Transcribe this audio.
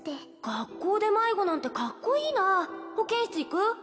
学校で迷子なんてカッコいいな保健室行く？